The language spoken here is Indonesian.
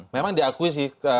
memang diakui sih